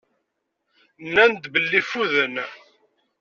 Nnan-d belli ffuden.